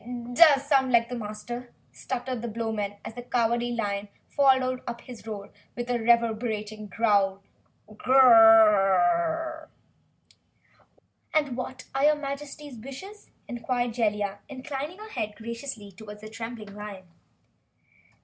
"It does sound like the Master," stuttered the Blowman, as the Cowardly Lion followed up his roar with a reverberating growl. "What are your Majesty's wishes?" inquired Jellia, inclining her head graciously toward the trembling lion.